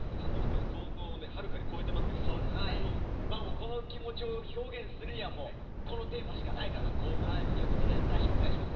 この気持ちを表現するにはこのテーマしかないかなということで大昇お願いします。